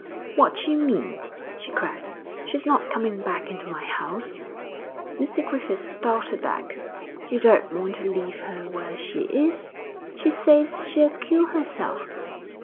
'What d'you mean?' she cried. 'She's not coming back into my house.' Mr Griffith started back. 'You don't want to leave her where she is! She says she'll kill herself.'